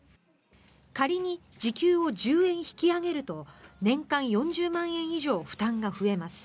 仮に時給を１０円引き上げると年間４０万円以上負担が増えます。